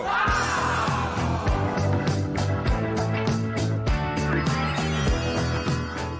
ว้าว